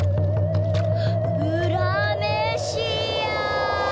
うらめしや！